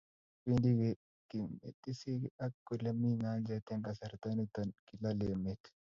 kibendi keimetesiek ak ole mi nyanjet Eng' kasarta nito kilal emet